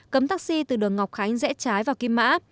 cấm taxi từ đường ngọc khánh rẽ trái vào kim mã